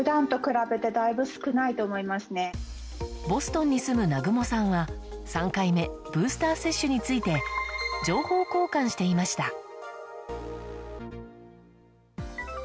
ボストンに住む南雲さんは３回目、ブースター接種について情報交換していました。